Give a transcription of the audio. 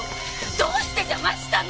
どうして邪魔したの！